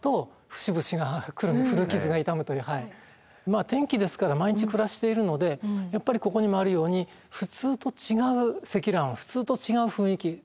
まあ天気ですから毎日暮らしているのでやっぱりここにもあるように普通と違う積乱雲普通と違う雰囲気